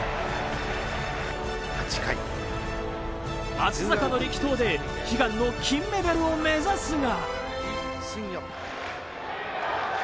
松坂の力投で悲願の金メダルを目指すが。